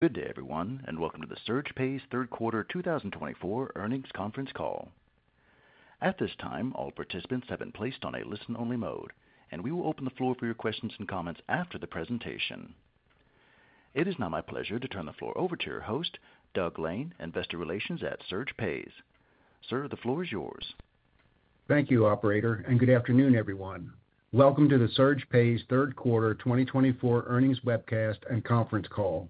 Good day, everyone, and welcome to the SurgePays Q3 2024 Earnings Conference Call. At this time, all participants have been placed on a listen-only mode, and we will open the floor for your questions and comments after the presentation. It is now my pleasure to turn the floor over to your host, Doug Lane, Investor Relations at SurgePays. Sir, the floor is yours. Thank you, Operator, and good afternoon, everyone. Welcome to the SurgePays Third Quarter 2024 Earnings Webcast and Conference Call.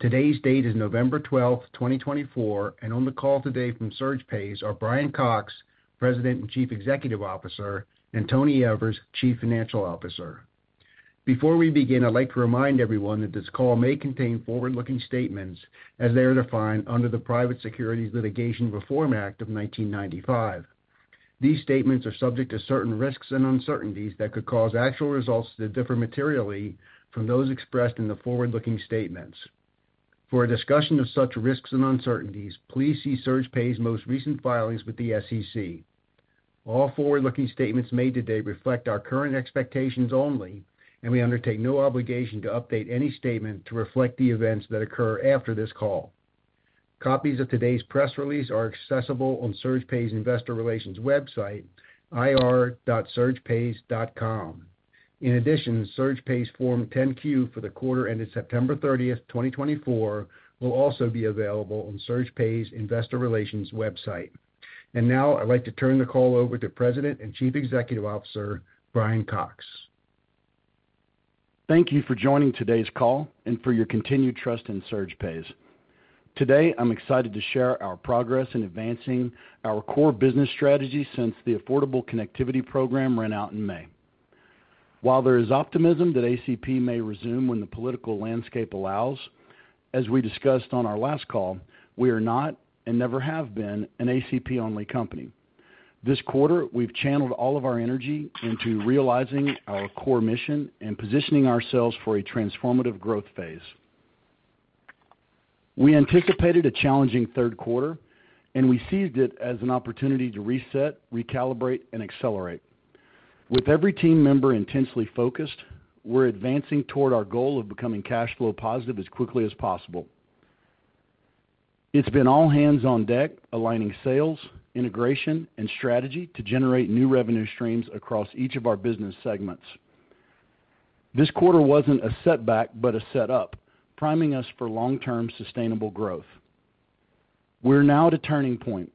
Today's date is November 12, 2024, and on the call today from SurgePays are Brian Cox, President and Chief Executive Officer, and Tony Evers, Chief Financial Officer. Before we begin, I'd like to remind everyone that this call may contain forward-looking statements as they are defined under the Private Securities Litigation Reform Act of 1995. These statements are subject to certain risks and uncertainties that could cause actual results to differ materially from those expressed in the forward-looking statements. For a discussion of such risks and uncertainties, please see SurgePays' most recent filings with the SEC. All forward-looking statements made today reflect our current expectations only, and we undertake no obligation to update any statement to reflect the events that occur after this call. Copies of today's press release are accessible on SurgePays' Investor Relations website, ir.surgepays.com. In addition, SurgePays' Form 10-Q for the quarter ended September 30, 2024, will also be available on SurgePays' Investor Relations website. And now, I'd like to turn the call over to President and Chief Executive Officer, Brian Cox. Thank you for joining today's call and for your continued trust in SurgePays. Today, I'm excited to share our progress in advancing our core business strategy since the Affordable Connectivity Program ran out in May. While there is optimism that ACP may resume when the political landscape allows, as we discussed on our last call, we are not and never have been an ACP-only company. This quarter, we've channeled all of our energy into realizing our core mission and positioning ourselves for a transformative growth phase. We anticipated a challenging Q3, and we seized it as an opportunity to reset, recalibrate, and accelerate. With every team member intensely focused, we're advancing toward our goal of becoming cash flow positive as quickly as possible. It's been all hands on deck, aligning sales, integration, and strategy to generate new revenue streams across each of our business segments. This quarter wasn't a setback but a setup, priming us for long-term sustainable growth. We're now at a turning point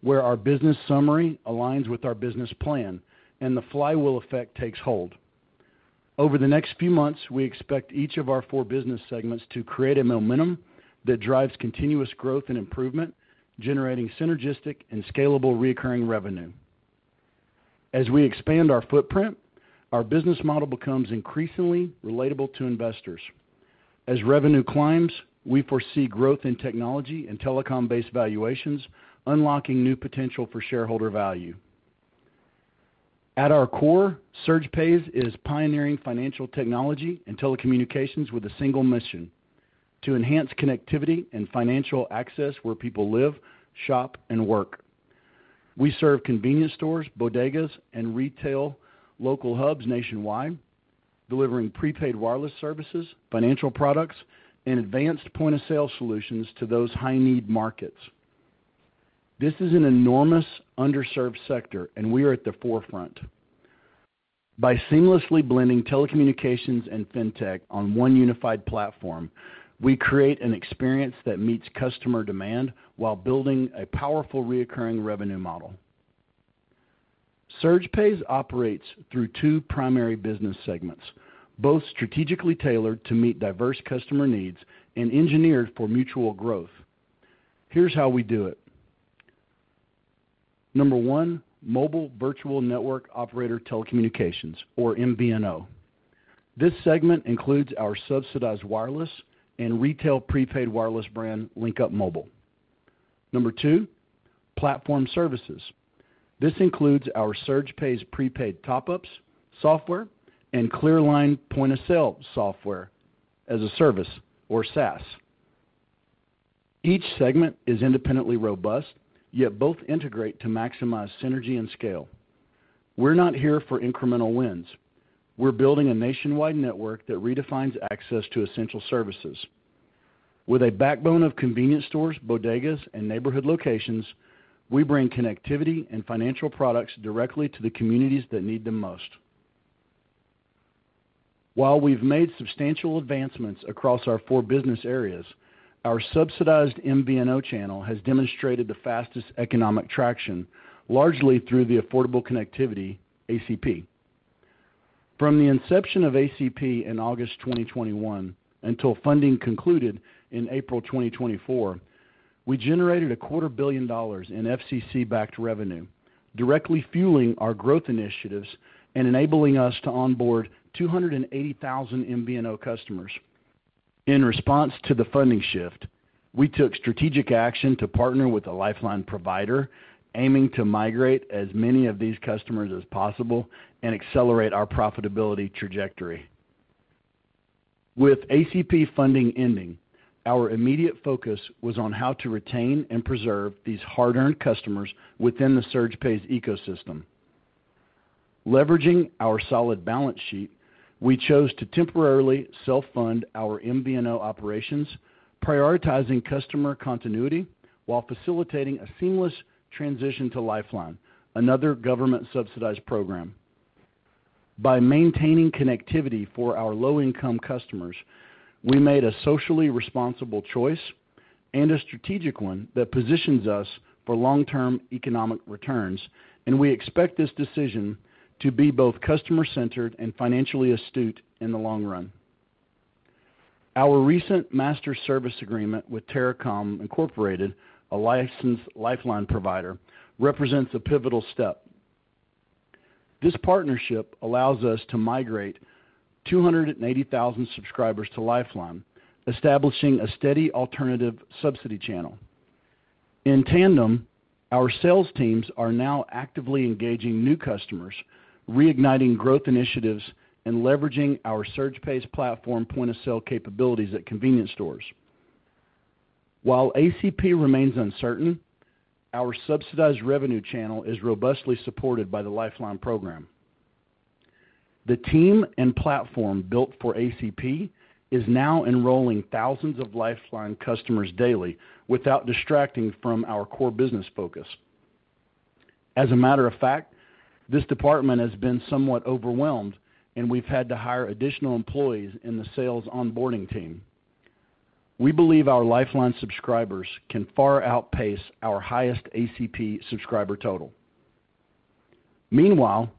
where our business summary aligns with our business plan, and the flywheel effect takes hold. Over the next few months, we expect each of our four business segments to create a momentum that drives continuous growth and improvement, generating synergistic and scalable recurring revenue. As we expand our footprint, our business model becomes increasingly relatable to investors. As revenue climbs, we foresee growth in technology and telecom-based valuations, unlocking new potential for shareholder value. At our core, SurgePays is pioneering financial technology and telecommunications with a single mission: to enhance connectivity and financial access where people live, shop, and work. We serve convenience stores, bodegas, and retail local hubs nationwide, delivering prepaid wireless services, financial products, and advanced point-of-sale solutions to those high-need markets. This is an enormous underserved sector, and we are at the forefront. By seamlessly blending telecommunications and fintech on one unified platform, we create an experience that meets customer demand while building a powerful recurring revenue model. SurgePays operates through two primary business segments, both strategically tailored to meet diverse customer needs and engineered for mutual growth. Here's how we do it. Number one, mobile virtual network operator telecommunications, or MVNO. This segment includes our subsidized wireless and retail prepaid wireless brand, LinkUp Mobile. Number two, platform services. This includes our SurgePays prepaid top-ups, software, and ClearLine point-of-sale software as a service, or SaaS. Each segment is independently robust, yet both integrate to maximize synergy and scale. We're not here for incremental wins. We're building a nationwide network that redefines access to essential services. With a backbone of convenience stores, bodegas, and neighborhood locations, we bring connectivity and financial products directly to the communities that need them most. While we've made substantial advancements across our four business areas, our subsidized MVNO channel has demonstrated the fastest economic traction, largely through the Affordable Connectivity, ACP. From the inception of ACP in August 2021 until funding concluded in April 2024, we generated $250 million in FCC-backed revenue, directly fueling our growth initiatives and enabling us to onboard 280,000 MVNO customers. In response to the funding shift, we took strategic action to partner with a Lifeline provider, aiming to migrate as many of these customers as possible and accelerate our profitability trajectory. With ACP funding ending, our immediate focus was on how to retain and preserve these hard-earned customers within the SurgePays ecosystem. Leveraging our solid balance sheet, we chose to temporarily self-fund our MVNO operations, prioritizing customer continuity while facilitating a seamless transition to Lifeline, another government-subsidized program. By maintaining connectivity for our low-income customers, we made a socially responsible choice and a strategic one that positions us for long-term economic returns, and we expect this decision to be both customer-centered and financially astute in the long run. Our recent master service agreement with TerraCom Incorporated, a licensed Lifeline provider, represents a pivotal step. This partnership allows us to migrate 280,000 subscribers to Lifeline, establishing a steady alternative subsidy channel. In tandem, our sales teams are now actively engaging new customers, reigniting growth initiatives, and leveraging our SurgePays platform point-of-sale capabilities at convenience stores. While ACP remains uncertain, our subsidized revenue channel is robustly supported by the Lifeline program. The team and platform built for ACP is now enrolling thousands of Lifeline customers daily without distracting from our core business focus. As a matter of fact, this department has been somewhat overwhelmed, and we've had to hire additional employees in the sales onboarding team. We believe our Lifeline subscribers can far outpace our highest ACP subscriber total. Meanwhile,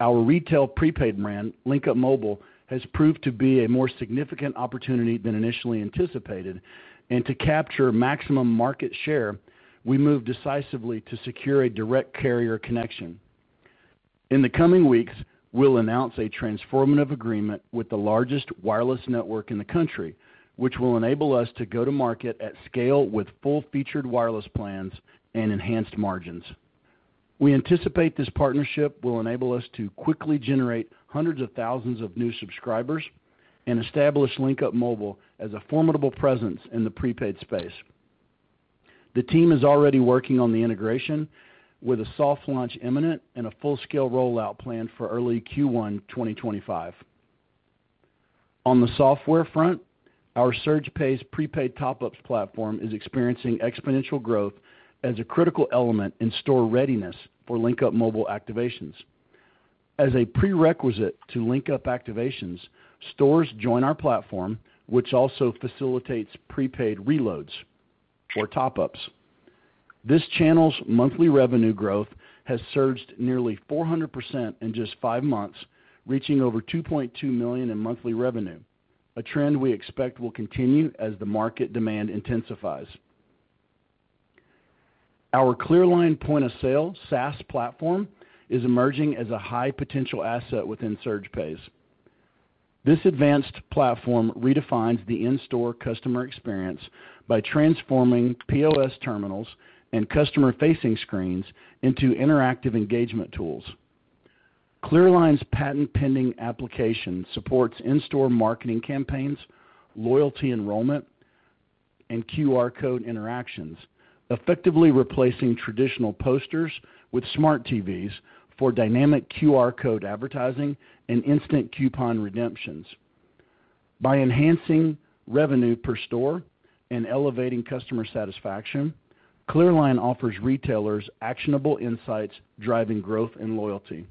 our retail prepaid brand, LinkUp Mobile, has proved to be a more significant opportunity than initially anticipated, and to capture maximum market share, we moved decisively to secure a direct carrier connection. In the coming weeks, we'll announce a transformative agreement with the largest wireless network in the country, which will enable us to go to market at scale with full-featured wireless plans and enhanced margins. We anticipate this partnership will enable us to quickly generate hundreds of thousands of new subscribers and establish LinkUp Mobile as a formidable presence in the prepaid space. The team is already working on the integration, with a soft launch imminent and a full-scale rollout planned for early Q1 2025. On the software front, our SurgePays prepaid top-ups platform is experiencing exponential growth as a critical element in store readiness for LinkUp Mobile activations. As a prerequisite to LinkUp activations, stores join our platform, which also facilitates prepaid reloads, or top-ups. This channel's monthly revenue growth has surged nearly 400% in just five months, reaching over $2.2 million in monthly revenue, a trend we expect will continue as the market demand intensifies. Our ClearLine point-of-sale SaaS platform is emerging as a high-potential asset within SurgePays. This advanced platform redefines the in-store customer experience by transforming POS terminals and customer-facing screens into interactive engagement tools. ClearLine's patent-pending application supports in-store marketing campaigns, loyalty enrollment, and QR code interactions, effectively replacing traditional posters with smart TVs for dynamic QR code advertising and instant coupon redemptions. By enhancing revenue per store and elevating customer satisfaction, ClearLine offers retailers actionable insights driving growth and loyalty.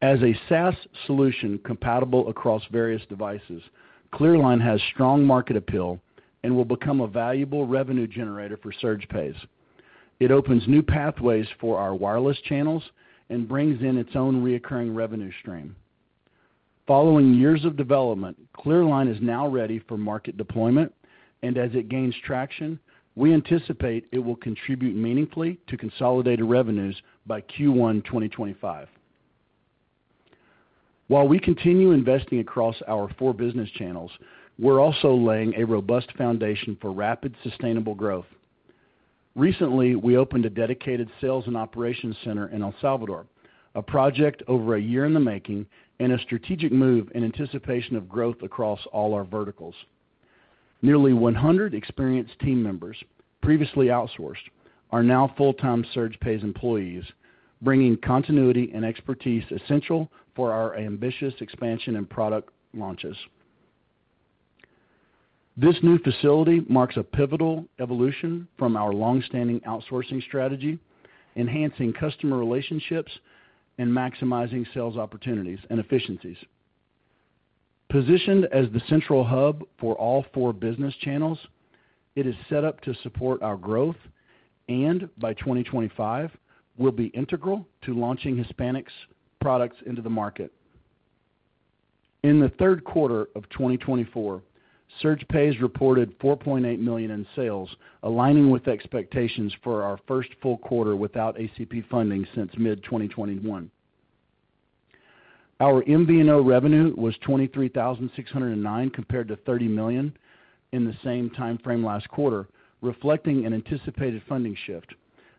As a SaaS solution compatible across various devices, ClearLine has strong market appeal and will become a valuable revenue generator for SurgePays. It opens new pathways for our wireless channels and brings in its own recurring revenue stream. Following years of development, ClearLine is now ready for market deployment, and as it gains traction, we anticipate it will contribute meaningfully to consolidated revenues by Q1 2025. While we continue investing across our four business channels, we're also laying a robust foundation for rapid, sustainable growth. Recently, we opened a dedicated sales and operations center in El Salvador, a project over a year in the making and a strategic move in anticipation of growth across all our verticals. Nearly 100 experienced team members, previously outsourced, are now full-time SurgePays employees, bringing continuity and expertise essential for our ambitious expansion and product launches. This new facility marks a pivotal evolution from our long-standing outsourcing strategy, enhancing customer relationships and maximizing sales opportunities and efficiencies. Positioned as the central hub for all four business channels, it is set up to support our growth and, by 2025, will be integral to launching Hispanics' products into the market. In the third quarter of 2024, SurgePays reported $4.8 million in sales, aligning with expectations for our first full quarter without ACP funding since mid-2021. Our MVNO revenue was $23,609 compared to $30 million in the same timeframe last quarter, reflecting an anticipated funding shift.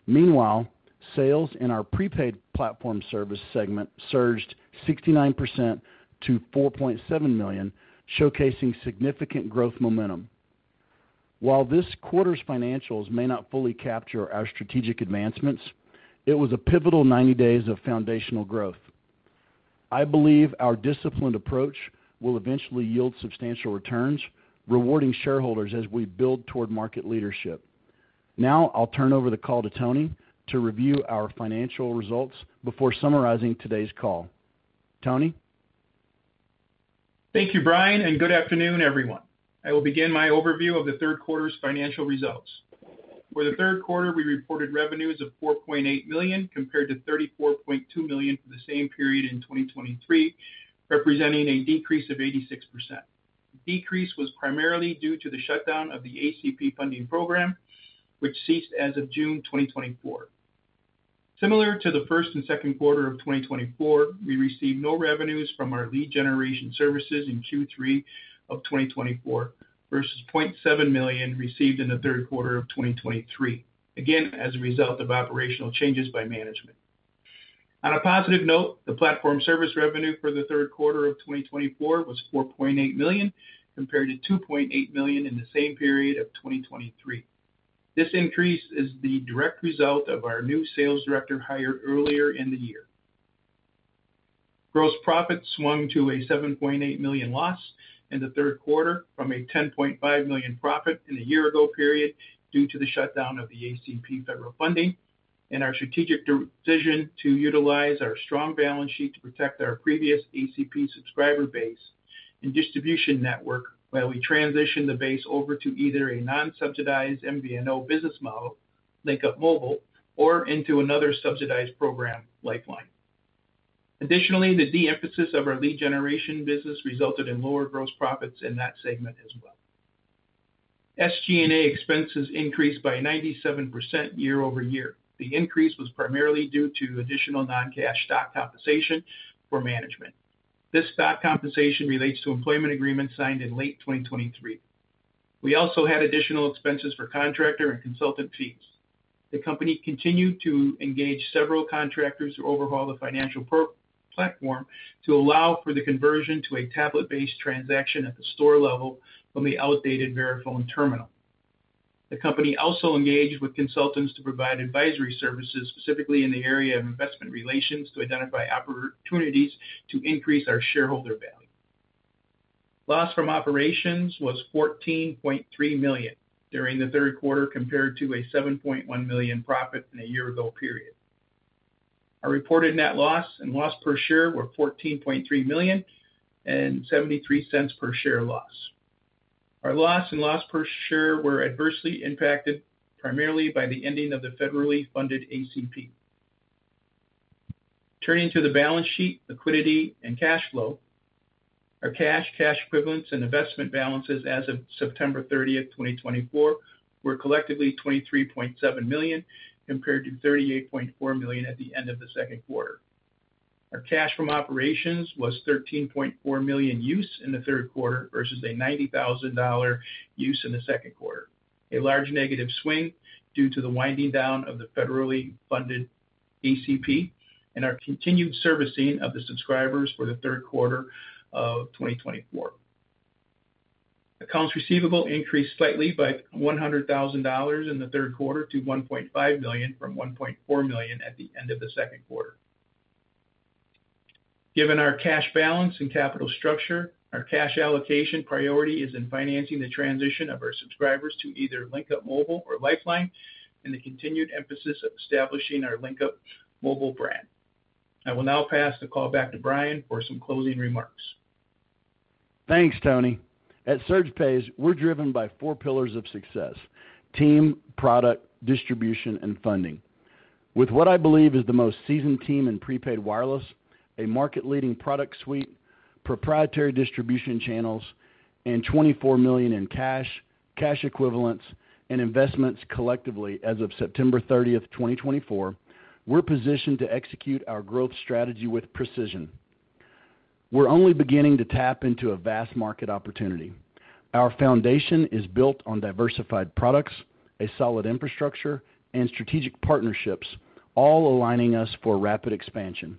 Meanwhile, sales in our prepaid platform service segment surged 69% to $4.7 million, showcasing significant growth momentum. While this quarter's financials may not fully capture our strategic advancements, it was a pivotal 90 days of foundational growth. I believe our disciplined approach will eventually yield substantial returns, rewarding shareholders as we build toward market leadership. Now, I'll turn over the call to Tony to review our financial results before summarizing today's call. Tony? Thank you, Brian, and good afternoon, everyone. I will begin my overview of the third quarter's financial results. For the third quarter, we reported revenues of $4.8 million compared to $34.2 million for the same period in 2023, representing a decrease of 86%. The decrease was primarily due to the shutdown of the ACP funding program, which ceased as of June 2024. Similar to the first and second quarter of 2024, we received no revenues from our lead generation services in Q3 of 2024, versus $0.7 million received in the third quarter of 2023, again as a result of operational changes by management. On a positive note, the platform service revenue for the third quarter of 2024 was $4.8 million compared to $2.8 million in the same period of 2023. This increase is the direct result of our new sales director hired earlier in the year. Gross profit swung to a $7.8 million loss in the third quarter from a $10.5 million profit in the year-ago period due to the shutdown of the ACP federal funding and our strategic decision to utilize our strong balance sheet to protect our previous ACP subscriber base and distribution network while we transition the base over to either a non-subsidized MVNO business model, LinkUp Mobile, or into another subsidized program, Lifeline. Additionally, the de-emphasis of our lead generation business resulted in lower gross profits in that segment as well. SG&A expenses increased by 97% year-over-year. The increase was primarily due to additional non-cash stock compensation for management. This stock compensation relates to employment agreements signed in late 2023. We also had additional expenses for contractor and consultant fees. The company continued to engage several contractors to overhaul the financial platform to allow for the conversion to a tablet-based transaction at the store level from the outdated Verifone terminal. The company also engaged with consultants to provide advisory services specifically in the area of investor relations to identify opportunities to increase our shareholder value. Loss from operations was $14.3 million during the third quarter compared to a $7.1 million profit in a year-ago period. Our reported net loss and loss per share were $14.3 million and $0.73 per share loss. Our loss and loss per share were adversely impacted primarily by the ending of the federally funded ACP. Turning to the balance sheet, liquidity, and cash flow, our cash, cash equivalents, and investment balances as of September 30, 2024, were collectively $23.7 million compared to $38.4 million at the end of the second quarter. Our cash from operations was $13.4 million use in the third quarter versus a $90,000 use in the second quarter, a large negative swing due to the winding down of the federally funded ACP and our continued servicing of the subscribers for the third quarter of 2024. Accounts receivable increased slightly by $100,000 in the third quarter to $1.5 million from $1.4 million at the end of the second quarter. Given our cash balance and capital structure, our cash allocation priority is in financing the transition of our subscribers to either LinkUp Mobile or Lifeline and the continued emphasis of establishing our LinkUp Mobile brand. I will now pass the call back to Brian for some closing remarks. Thanks, Tony. At SurgePays, we're driven by four pillars of success: team, product, distribution, and funding. With what I believe is the most seasoned team in prepaid wireless, a market-leading product suite, proprietary distribution channels, and $24 million in cash, cash equivalents, and investments collectively as of September 30, 2024, we're positioned to execute our growth strategy with precision. We're only beginning to tap into a vast market opportunity. Our foundation is built on diversified products, a solid infrastructure, and strategic partnerships, all aligning us for rapid expansion.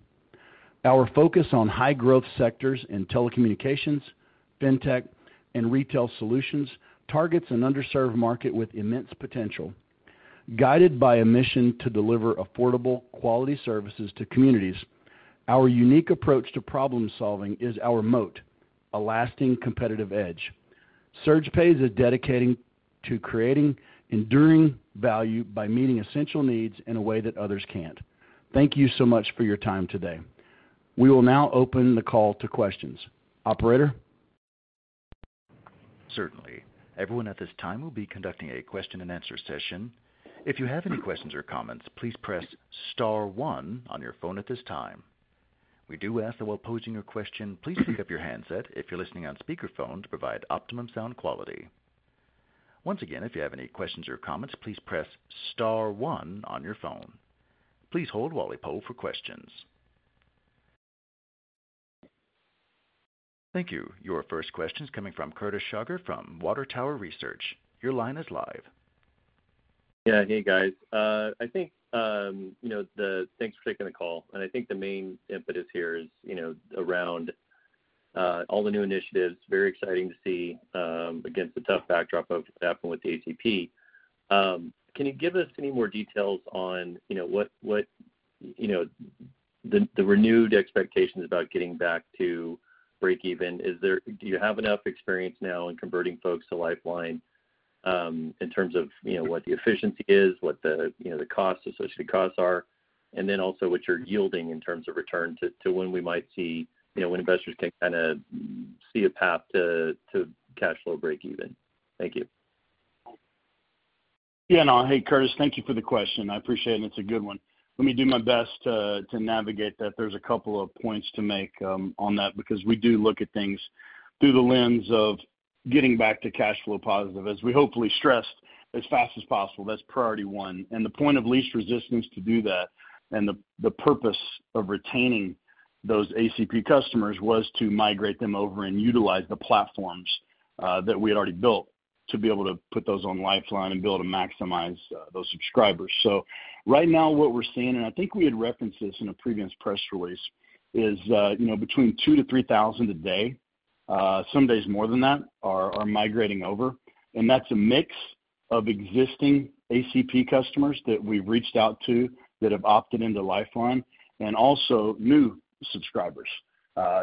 Our focus on high-growth sectors in telecommunications, fintech, and retail solutions targets an underserved market with immense potential. Guided by a mission to deliver affordable, quality services to communities, our unique approach to problem-solving is our moat, a lasting competitive edge. SurgePays is dedicated to creating enduring value by meeting essential needs in a way that others can't. Thank you so much for your time today. We will now open the call to questions. Operator? Certainly. Everyone at this time will be conducting a question-and-answer session. If you have any questions or comments, please press Star one on your phone at this time. We do ask that while posing your question, please pick up your handset if you're listening on speakerphone to provide optimum sound quality. Once again, if you have any questions or comments, please press Star one on your phone. Please hold while we poll for questions. Thank you. Your first question is coming from Curtis Shauger from Water Tower Research. Your line is live. Yeah. Hey, guys. I think thanks for taking the call, and I think the main impetus here is around all the new initiatives. Very exciting to see against the tough backdrop of what's happened with the ACP. Can you give us any more details on what the renewed expectations about getting back to break-even? Do you have enough experience now in converting folks to Lifeline in terms of what the efficiency is, what the costs, associated costs are, and then also what you're yielding in terms of return to when we might see when investors can kind of see a path to cash flow break-even? Thank you. Yeah. Now, hey, Curtis, thank you for the question. I appreciate it, and it's a good one. Let me do my best to navigate that. There's a couple of points to make on that because we do look at things through the lens of getting back to cash flow positive, as we hopefully stressed, as fast as possible. That's priority one. The point of least resistance to do that and the purpose of retaining those ACP customers was to migrate them over and utilize the platforms that we had already built to be able to put those on Lifeline and be able to maximize those subscribers. Right now, what we're seeing, and I think we had referenced this in a previous press release, is between 2,000 to 3,000 a day, some days more than that, are migrating over. That's a mix of existing ACP customers that we've reached out to that have opted into Lifeline and also new subscribers.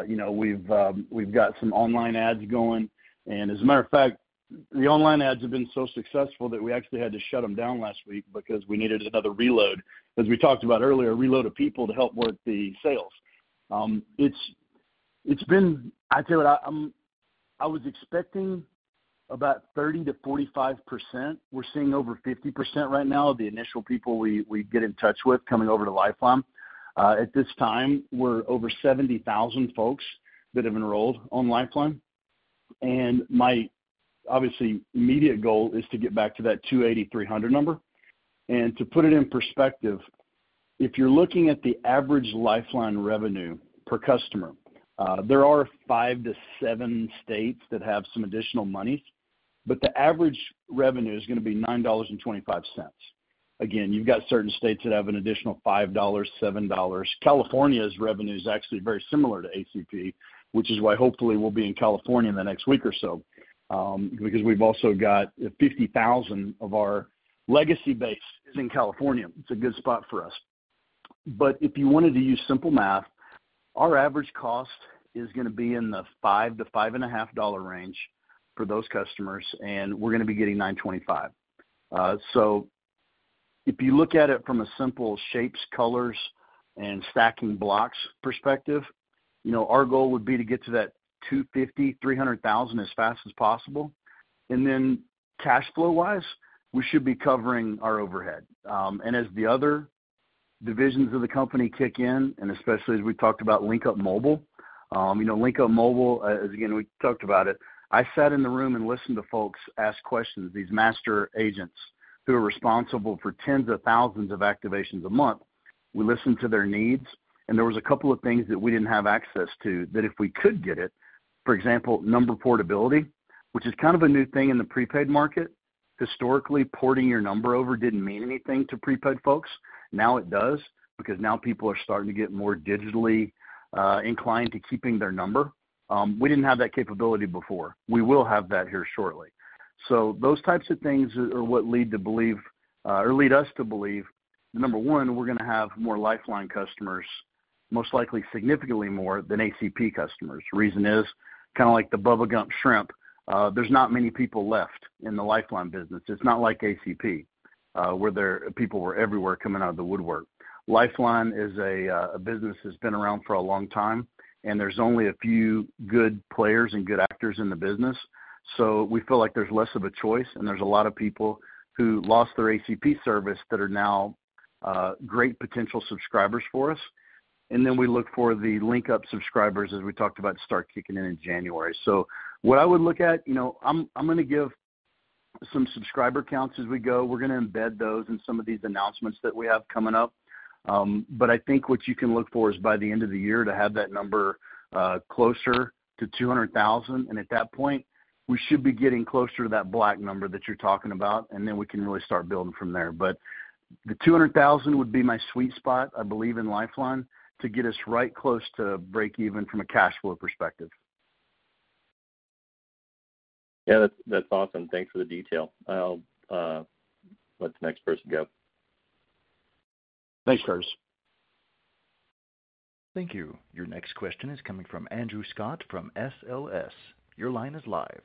We've got some online ads going. As a matter of fact, the online ads have been so successful that we actually had to shut them down last week because we needed another reload. As we talked about earlier, a reload of people to help work the sales. It's been. I tell you what, I was expecting about 30-45%. We're seeing over 50% right now of the initial people we get in touch with coming over to Lifeline. At this time, we're over 70,000 folks that have enrolled on Lifeline. And my obviously immediate goal is to get back to that 280,300 number. And to put it in perspective, if you're looking at the average Lifeline revenue per customer, there are five to seven states that have some additional monies, but the average revenue is going to be $9.25. Again, you've got certain states that have an additional $5, $7. California's revenue is actually very similar to ACP, which is why hopefully we'll be in California in the next week or so because we've also got 50,000 of our legacy base in California. It's a good spot for us. But if you wanted to use simple math, our average cost is going to be in the $5-$5.5 range for those customers, and we're going to be getting $9.25. If you look at it from a simple shapes, colors, and stacking blocks perspective, our goal would be to get to that 250,000, 300,000 as fast as possible. Then cash flow-wise, we should be covering our overhead. As the other divisions of the company kick in, and especially as we talked about LinkUp Mobile, LinkUp Mobile, again, we talked about it. I sat in the room and listened to folks ask questions, these master agents who are responsible for tens of thousands of activations a month. We listened to their needs, and there was a couple of things that we didn't have access to that if we could get it. For example, number portability, which is kind of a new thing in the prepaid market. Historically, porting your number over didn't mean anything to prepaid folks. Now it does because now people are starting to get more digitally inclined to keeping their number. We didn't have that capability before. We will have that here shortly. So those types of things are what lead to believe or lead us to believe, number one, we're going to have more Lifeline customers, most likely significantly more than ACP customers. The reason is kind of like the Bubba Gump shrimp. There's not many people left in the Lifeline business. It's not like ACP where people were everywhere coming out of the woodwork. Lifeline is a business that's been around for a long time, and there's only a few good players and good actors in the business. We feel like there's less of a choice, and there's a lot of people who lost their ACP service that are now great potential subscribers for us. We look for the LinkUp subscribers, as we talked about, to start kicking in January. What I would look at, I'm going to give some subscriber counts as we go. We're going to embed those in some of these announcements that we have coming up. I think what you can look for is by the end of the year to have that number closer to 200,000. At that point, we should be getting closer to that black number that you're talking about, and then we can really start building from there. The 200,000 would be my sweet spot, I believe, in Lifeline to get us right close to break-even from a cash flow perspective. Yeah. That's awesome. Thanks for the detail. I'll let the next person go. Thanks, Curtis. Thank you. Your next question is coming from Andrew Scott from SLS. Your line is live.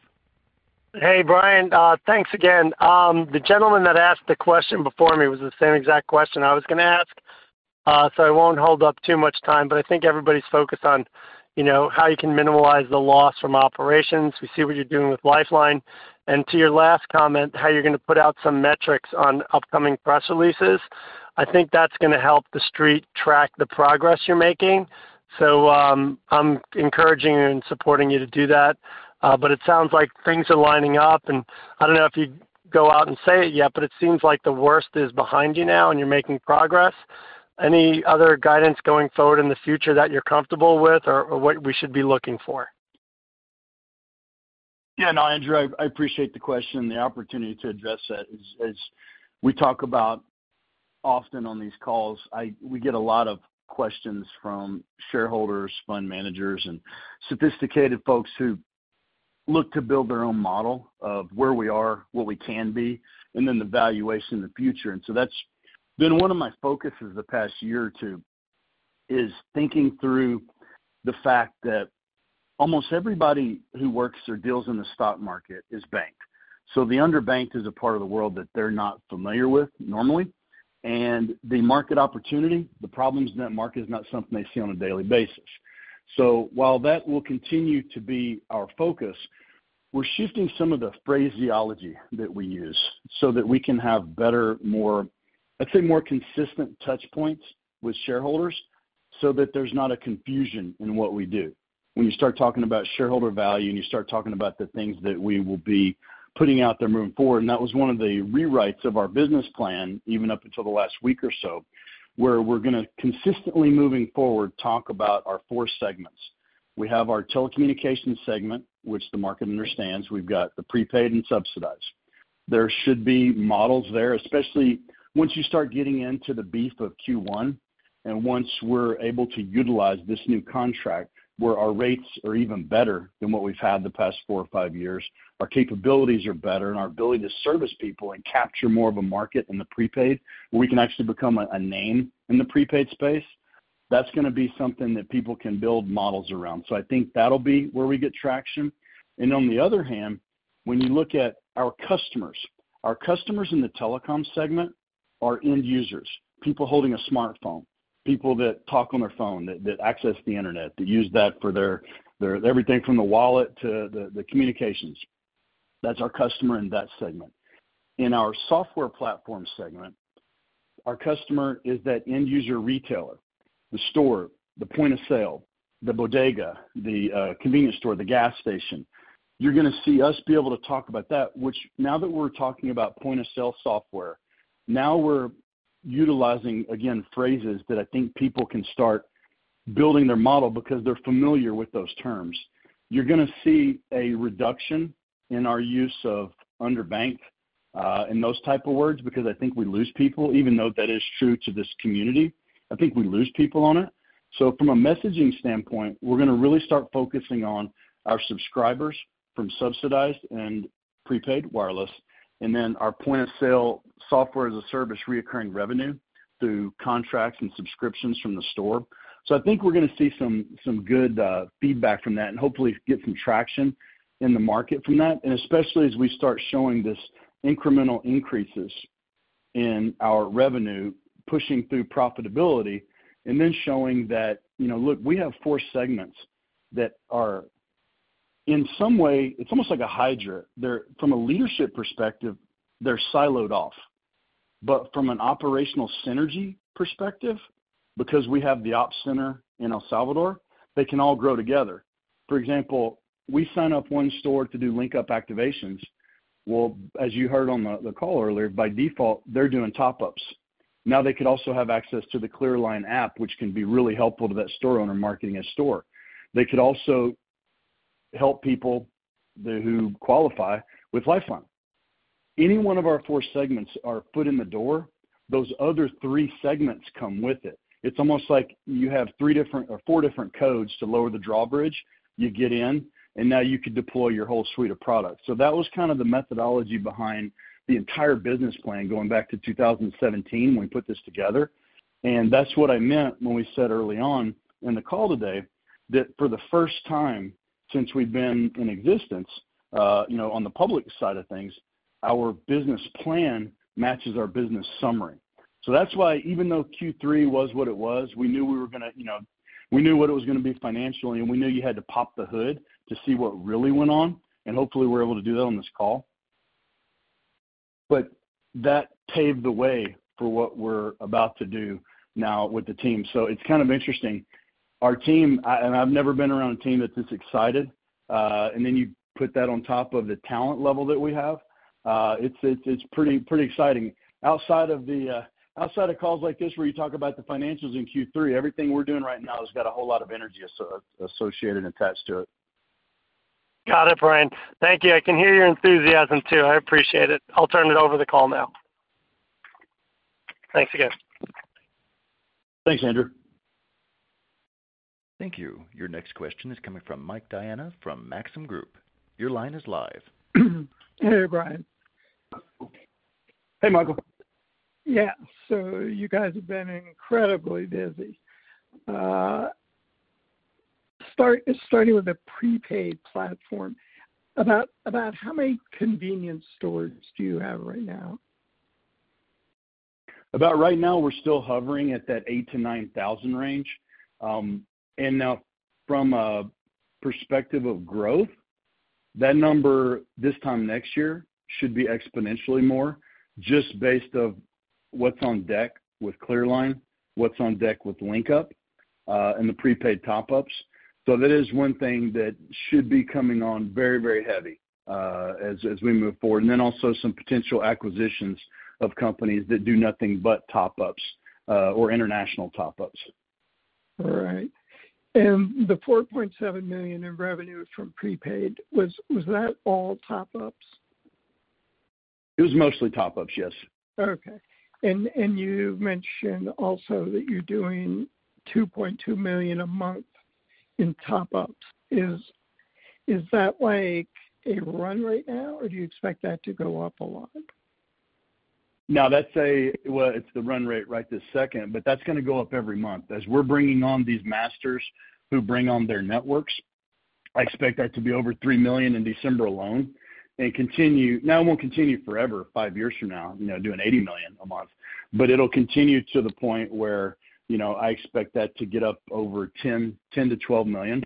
Hey, Brian. Thanks again. The gentleman that asked the question before me was the same exact question I was going to ask, so I won't hold up too much time. But I think everybody's focused on how you can minimize the loss from operations. We see what you're doing with Lifeline. And to your last comment, how you're going to put out some metrics on upcoming press releases, I think that's going to help the street track the progress you're making. So I'm encouraging you and supporting you to do that. But it sounds like things are lining up. I don't know if you go out and say it yet, but it seems like the worst is behind you now, and you're making progress. Any other guidance going forward in the future that you're comfortable with or what we should be looking for? Yeah, Andrew, I appreciate the question and the opportunity to address that. As we talk about often on these calls, we get a lot of questions from shareholders, fund managers, and sophisticated folks who look to build their own model of where we are, what we can be, and then the valuation in the future. And so that's been one of my focuses the past year or two is thinking through the fact that almost everybody who works or deals in the stock market is banked. So the underbanked is a part of the world that they're not familiar with normally. The market opportunity, the problems in that market is not something they see on a daily basis. While that will continue to be our focus, we're shifting some of the phraseology that we use so that we can have better, more—I'd say more consistent touchpoints with shareholders so that there's not a confusion in what we do. When you start talking about shareholder value and you start talking about the things that we will be putting out there moving forward, and that was one of the rewrites of our business plan even up until the last week or so where we're going to consistently moving forward talk about our four segments. We have our telecommunications segment, which the market understands. We've got the prepaid and subsidized. There should be models there, especially once you start getting into the beef of Q1 and once we're able to utilize this new contract where our rates are even better than what we've had the past four or five years, our capabilities are better, and our ability to service people and capture more of a market in the prepaid where we can actually become a name in the prepaid space. That's going to be something that people can build models around. So I think that'll be where we get traction. And on the other hand, when you look at our customers, our customers in the telecom segment are end users, people holding a smartphone, people that talk on their phone, that access the internet, that use that for their everything from the wallet to the communications. That's our customer in that segment. In our software platform segment, our customer is that end user retailer, the store, the point of sale, the bodega, the convenience store, the gas station. You're going to see us be able to talk about that, which now that we're talking about point of sale software, now we're utilizing, again, phrases that I think people can start building their model because they're familiar with those terms. You're going to see a reduction in our use of underbanked and those type of words because I think we lose people, even though that is true to this community. I think we lose people on it. So from a messaging standpoint, we're going to really start focusing on our subscribers from subsidized and prepaid wireless, and then our point of sale software as a service recurring revenue through contracts and subscriptions from the store. I think we're going to see some good feedback from that and hopefully get some traction in the market from that, and especially as we start showing this incremental increases in our revenue pushing through profitability and then showing that, look, we have four segments that are in some way. It's almost like a hydra. From a leadership perspective, they're siloed off, but from an operational synergy perspective, because we have the ops center in El Salvador, they can all grow together. For example, we sign up one store to do LinkUp activations, well, as you heard on the call earlier, by default, they're doing top-ups. Now they could also have access to the ClearLine app, which can be really helpful to that store owner marketing a store. They could also help people who qualify with Lifeline. Any one of our four segments are foot in the door. Those other three segments come with it. It's almost like you have three different or four different codes to lower the drawbridge. You get in, and now you could deploy your whole suite of products. So that was kind of the methodology behind the entire business plan going back to 2017 when we put this together. And that's what I meant when we said early on in the call today that for the first time since we've been in existence on the public side of things, our business plan matches our business summary. So that's why even though Q3 was what it was, we knew what it was going to be financially, and we knew you had to pop the hood to see what really went on. And hopefully, we're able to do that on this call. But that paved the way for what we're about to do now with the team. So it's kind of interesting. Our team, and I've never been around a team that's this excited. And then you put that on top of the talent level that we have, it's pretty exciting. Outside of calls like this where you talk about the financials in Q3, everything we're doing right now has got a whole lot of energy associated and attached to it. Got it, Brian. Thank you. I can hear your enthusiasm too. I appreciate it. I'll turn it over to the call now. Thanks again. Thanks, Andrew. Thank you. Your next question is coming from Mike Diana from Maxim Group. Your line is live. Hey, Brian. Hey, Michael. Yeah. So you guys have been incredibly busy. Starting with the prepaid platform, about how many convenience stores do you have right now? About right now, we're still hovering at that 8 to 9 thousand range. And now from a perspective of growth, that number this time next year should be exponentially more just based off what's on deck with ClearLine, what's on deck with LinkUp, and the prepaid top-ups. So that is one thing that should be coming on very, very heavy as we move forward. And then also some potential acquisitions of companies that do nothing but top-ups or international top-ups. All right. And the $4.7 million in revenue from prepaid, was that all top-ups? It was mostly top-ups, yes. Okay. And you mentioned also that you're doing $2.2 million a month in top-ups. Is that like a run right now, or do you expect that to go up a lot? No, that's—well, it's the run rate right this second, but that's going to go up every month as we're bringing on these masters who bring on their networks. I expect that to be over three million in December alone. Now it won't continue forever five years from now, doing 80 million a month. But it'll continue to the point where I expect that to get up over 10 to 12 million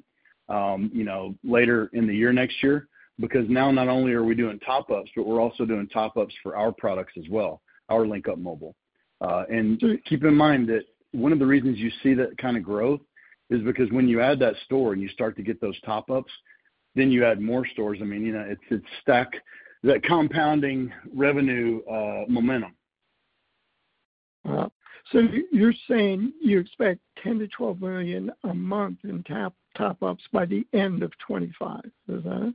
later in the year next year because now not only are we doing top-ups, but we're also doing top-ups for our products as well, our LinkUp Mobile. And keep in mind that one of the reasons you see that kind of growth is because when you add that store and you start to get those top-ups, then you add more stores. I mean, it's stacked that compounding revenue momentum. You're saying you expect $10-12 million a month in top-ups by the end of 2025. Is that it?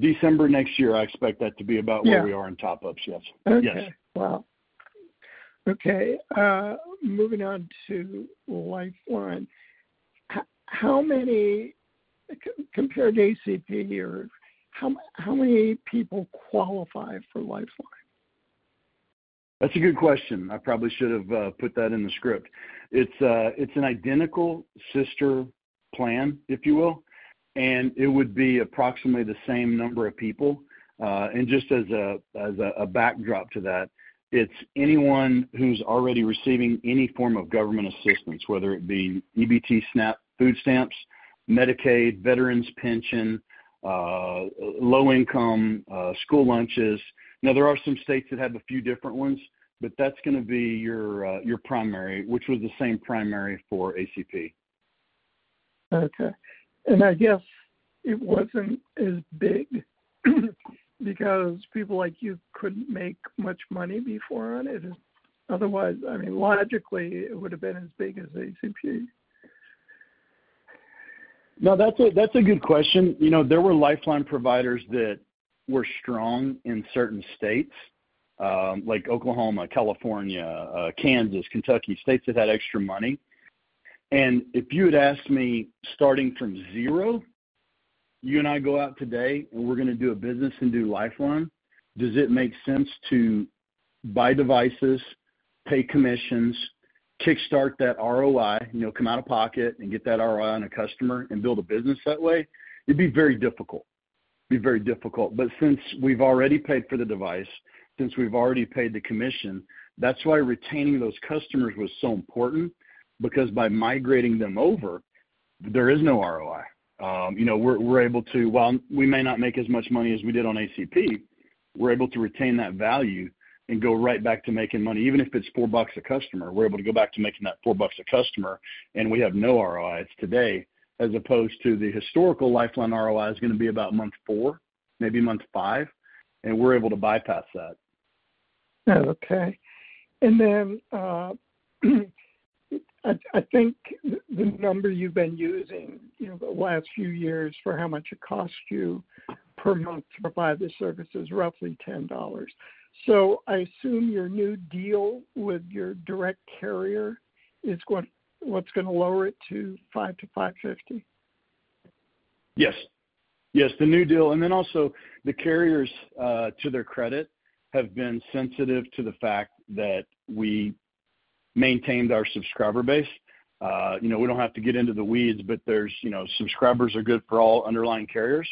December next year, I expect that to be about where we are in top-ups. Yes. Okay. Wow. Okay. Moving on to Lifeline. Compared to ACP here, how many people qualify for Lifeline? That's a good question. I probably should have put that in the script. It's an identical sister plan, if you will, and it would be approximately the same number of people, and just as a backdrop to that, it's anyone who's already receiving any form of government assistance, whether it be EBT, SNAP, food stamps, Medicaid, veterans' pension, low-income school lunches. Now, there are some states that have a few different ones, but that's going to be your primary, which was the same primary for ACP. Okay. And I guess it wasn't as big because people like you couldn't make much money before on it. Otherwise, I mean, logically, it would have been as big as ACP. No, that's a good question. There were Lifeline providers that were strong in certain states like Oklahoma, California, Kansas, Kentucky, states that had extra money. And if you had asked me starting from zero, you and I go out today and we're going to do a business and do Lifeline, does it make sense to buy devices, pay commissions, kickstart that ROI, come out of pocket and get that ROI on a customer and build a business that way? It'd be very difficult. It'd be very difficult. But since we've already paid for the device, since we've already paid the commission, that's why retaining those customers was so important because by migrating them over, there is no ROI. We're able to, well, we may not make as much money as we did on ACP. We're able to retain that value and go right back to making money. Even if it's $4 a customer, we're able to go back to making that $4 a customer, and we have no ROI today as opposed to the historical Lifeline ROI is going to be about month four, maybe month five, and we're able to bypass that. Okay. And then I think the number you've been using the last few years for how much it costs you per month to provide the service is roughly $10. So I assume your new deal with your direct carrier is what's going to lower it to $5 to $5.50. Yes. Yes. The new deal. And then also the carriers, to their credit, have been sensitive to the fact that we maintained our subscriber base. We don't have to get into the weeds, but subscribers are good for all underlying carriers.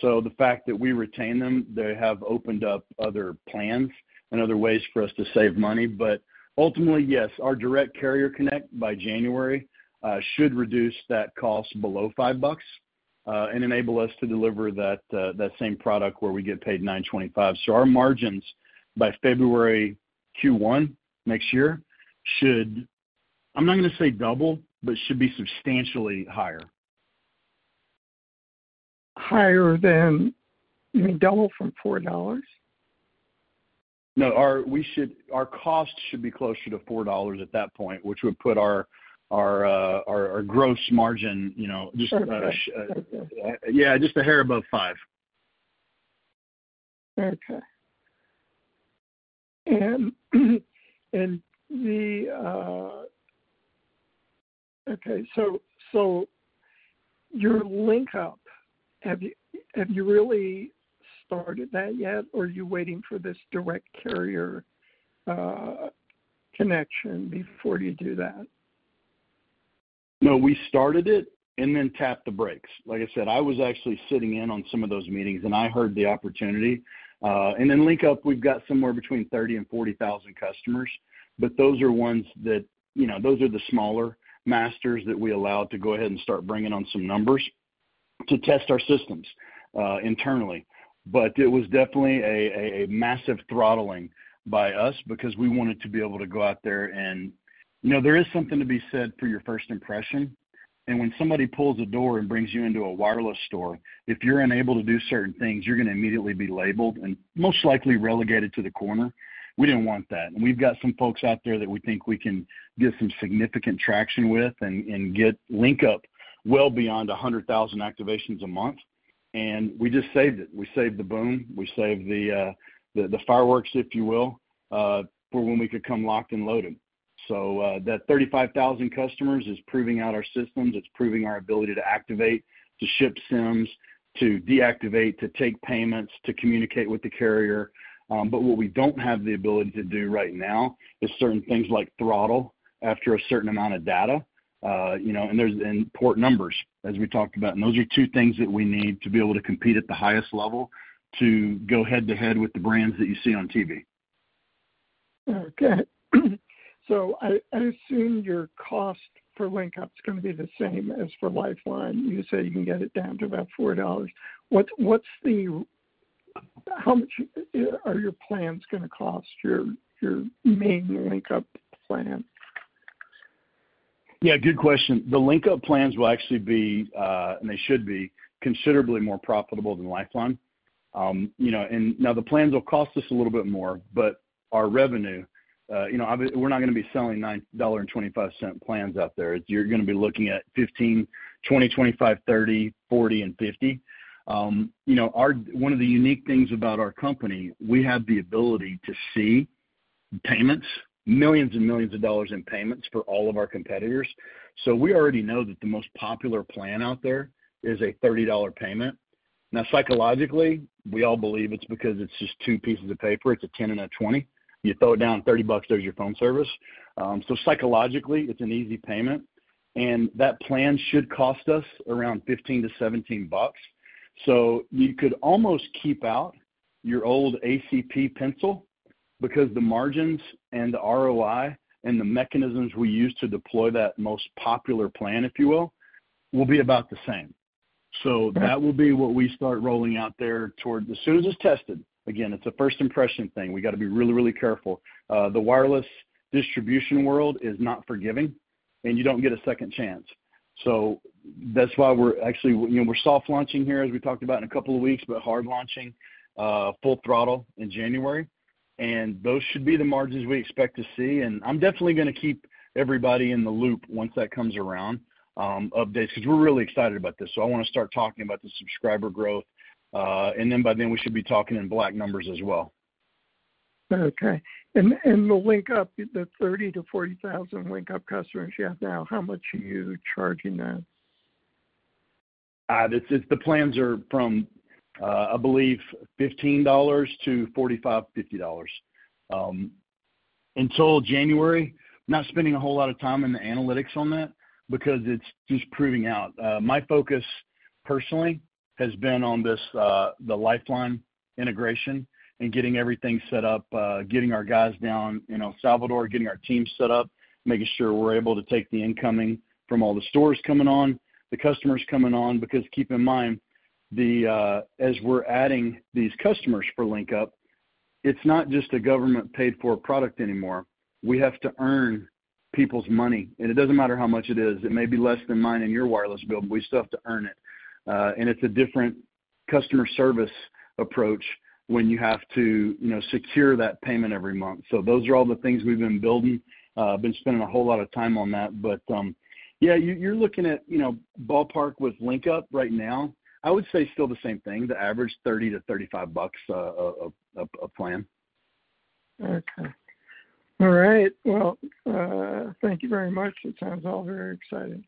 So the fact that we retain them, they have opened up other plans and other ways for us to save money. But ultimately, yes, our direct carrier connection by January should reduce that cost below $5 and enable us to deliver that same product where we get paid $9.25. So our margins by February Q1 next year should. I'm not going to say double, but should be substantially higher. Higher than. You mean double from $4? No. Our cost should be closer to $4 at that point, which would put our gross margin you know. Yeah, just a higher above 5. Okay. And the. Okay. So your LinkUp, have you really started that yet, or are you waiting for this direct carrier connection before you do that? No, we started it and then tapped the brakes. Like I said, I was actually sitting in on some of those meetings, and I heard the opportunity, and then LinkUp, we've got somewhere between 30 and 40 thousand customers, but those are ones that, those are the smaller masters that we allowed to go ahead and start bringing on some numbers to test our systems internally, but it was definitely a massive throttling by us because we wanted to be able to go out there and, now, there is something to be said for your first impression, and when somebody pulls a door and brings you into a wireless store, if you're unable to do certain things, you're going to immediately be labeled and most likely relegated to the corner. We didn't want that, and we've got some folks out there that we think we can get some significant traction with and get LinkUp well beyond 100,000 activations a month. And we just saved it. We saved the boom. We saved the fireworks, if you will, for when we could come locked and loaded. So that 35,000 customers is proving out our systems. It's proving our ability to activate, to ship SIMs, to deactivate, to take payments, to communicate with the carrier. But what we don't have the ability to do right now is certain things like throttle after a certain amount of data. And there's important numbers, as we talked about. And those are two things that we need to be able to compete at the highest level to go head-to-head with the brands that you see on TV. Okay. So I assume your cost for LinkUp is going to be the same as for Lifeline. You said you can get it down to about $4. What's the-how much are your plans going to cost, your main LinkUp plan? Yeah. Good question. The LinkUp plans will actually be, and they should be, considerably more profitable than Lifeline. And now the plans will cost us a little bit more, but our revenue, we're not going to be selling $9.25 plans out there. You're going to be looking at 15, 20, 25, 30, 40, and 50. One of the unique things about our company, we have the ability to see payments, millions and millions of dollars in payments for all of our competitors. So we already know that the most popular plan out there is a $30 payment. Now, psychologically, we all believe it's because it's just two pieces of paper. It's a 10 and a 20. You throw it down 30 bucks, there's your phone service. So psychologically, it's an easy payment. And that plan should cost us around 15 to 17 bucks. So you could almost keep out your old ACP pencil because the margins and the ROI and the mechanisms we use to deploy that most popular plan, if you will, will be about the same. So that will be what we start rolling out there toward as soon as it's tested. Again, it's a first impression thing. We got to be really, really careful. The wireless distribution world is not forgiving, and you don't get a second chance. So that's why we're actually soft launching here, as we talked about, in a couple of weeks, but hard launching full throttle in January. And those should be the margins we expect to see. And I'm definitely going to keep everybody in the loop once that comes around, updates, because we're really excited about this. So I want to start talking about the subscriber growth. And then by then, we should be talking in black numbers as well. Okay. And the LinkUp, the 30-40 thousand LinkUp customers you have now, how much are you charging them? The plans are from, I believe, $15-$45, $50. Until January, I'm not spending a whole lot of time in the analytics on that because it's just proving out. My focus personally has been on the Lifeline integration and getting everything set up, getting our guys down in El Salvador, getting our team set up, making sure we're able to take the incoming from all the stores coming on, the customers coming on. Because keep in mind, as we're adding these customers for LinkUp, it's not just a government-paid-for product anymore. We have to earn people's money. And it doesn't matter how much it is. It may be less than mine in your wireless build, but we still have to earn it. And it's a different customer service approach when you have to secure that payment every month. So those are all the things we've been building. I've been spending a whole lot of time on that. But yeah, you're looking at ballpark with LinkUp right now. I would say still the same thing, the average $30-$35 a plan. Okay. All right. Well, thank you very much. It sounds all very exciting.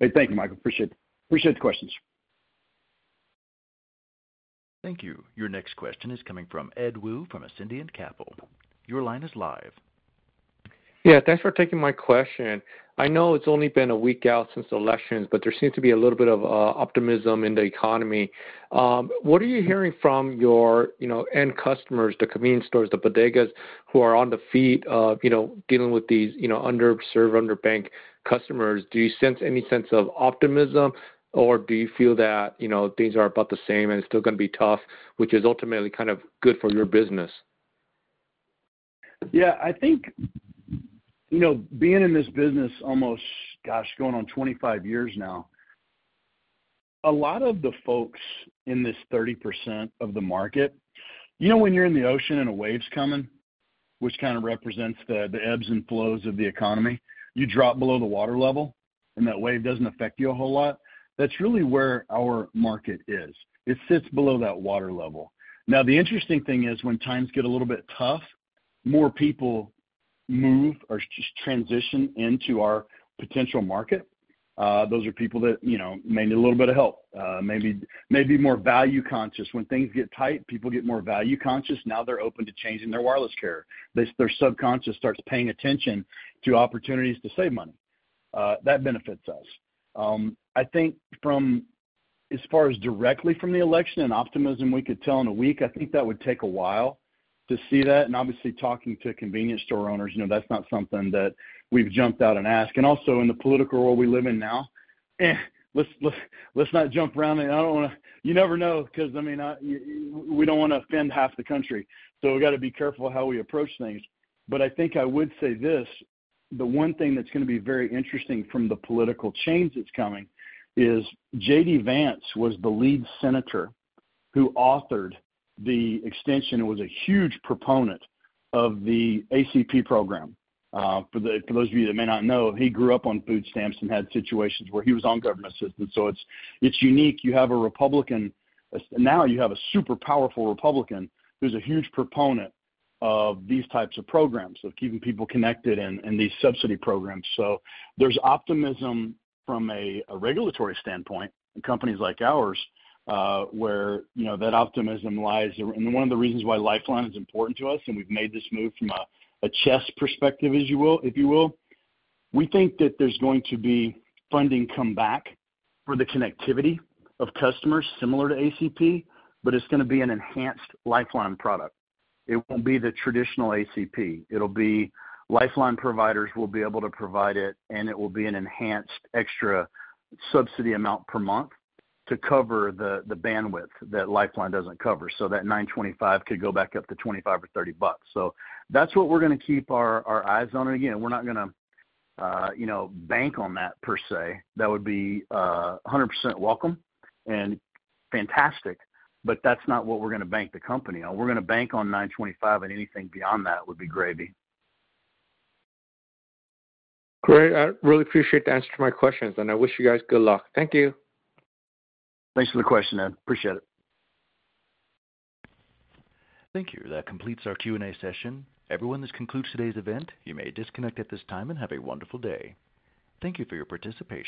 Hey, thank you, Michael. Appreciate the questions. Thank you. Your next question is coming from Ed Woo from Ascendiant Capital. Your line is live. Yeah. Thanks for taking my question. I know it's only been a week out since the elections, but there seems to be a little bit of optimism in the economy. What are you hearing from your end customers, the convenience stores, the bodegas who are on the front lines of dealing with these underserved, underbanked customers? Do you sense any sense of optimism, or do you feel that things are about the same and it's still going to be tough, which is ultimately kind of good for your business? Yeah. I think being in this business almost, gosh, going on 25 years now, a lot of the folks in this 30% of the market, you know when you're in the ocean and a wave's coming, which kind of represents the ebbs and flows of the economy, you drop below the water level and that wave doesn't affect you a whole lot. That's really where our market is. It sits below that water level. Now, the interesting thing is when times get a little bit tough, more people move or just transition into our potential market. Those are people that may need a little bit of help, maybe more value-conscious. When things get tight, people get more value-conscious. Now they're open to changing their wireless carrier. Their subconscious starts paying attention to opportunities to save money. That benefits us. I think as far as directly from the election and optimism, we could tell in a week. I think that would take a while to see that. And obviously, talking to convenience store owners, that's not something that we've jumped out and asked. And also in the political world we live in now, let's not jump around. And I don't want to - you never know because, I mean, we don't want to offend half the country. So we got to be careful how we approach things. But I think I would say this. The one thing that's going to be very interesting from the political change that's coming is JD Vance was the lead senator who authored the extension. It was a huge proponent of the ACP program. For those of you that may not know, he grew up on food stamps and had situations where he was on government assistance. So it's unique. You have a Republican. Now you have a super powerful Republican who's a huge proponent of these types of programs, of keeping people connected and these subsidy programs. So there's optimism from a regulatory standpoint and companies like ours where that optimism lies. One of the reasons why Lifeline is important to us, and we've made this move from a chess perspective, if you will, we think that there's going to be funding come back for the connectivity of customers similar to ACP, but it's going to be an enhanced Lifeline product. It won't be the traditional ACP. It'll be Lifeline providers will be able to provide it, and it will be an enhanced extra subsidy amount per month to cover the bandwidth that Lifeline doesn't cover. So that $9.25 could go back up to $25 or $30. So that's what we're going to keep our eyes on. And again, we're not going to bank on that per se. That would be 100% welcome and fantastic, but that's not what we're going to bank the company on. We're going to bank on $9.25, and anything beyond that would be gravy. Great. I really appreciate the answer to my questions, and I wish you guys good luck. Thank you. Thanks for the question, Ed. Appreciate it. Thank you. That completes our Q&A session. Everyone, this concludes today's event. You may disconnect at this time and have a wonderful day. Thank you for your participation.